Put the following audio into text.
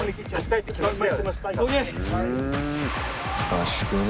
合宿ね。